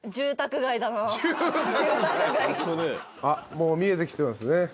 もう見えてきてますね。